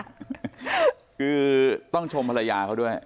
คือต้องชมภรรยาเขาด้วย